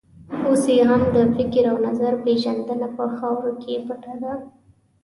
اوس یې هم د فکر او نظر پېژندنه په خاورو کې پټه ده.